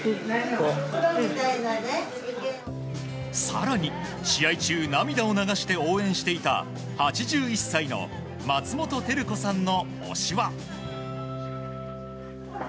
更に、試合中涙を流して応援していた８１歳の松本照子さんの推しは。